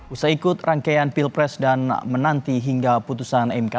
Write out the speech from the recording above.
usai ikut rangkaian pilpres dan menanti hingga putusan mk